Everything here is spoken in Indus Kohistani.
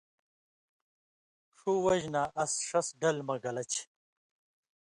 ݜُو وجہۡ نہ اَس ݜس ڈل مہ گلہ چھی۔